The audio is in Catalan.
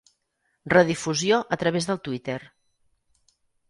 Redifusió a través del Twitter.